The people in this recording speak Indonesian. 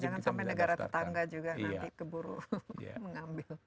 jangan sampai negara tetangga juga nanti keburu mengambil